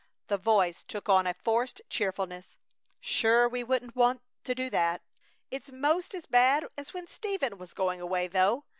The voice took on a forced cheerfulness. "Sure! We wouldn't want to do that!" "It's 'most as bad as when Stephen was going away, though.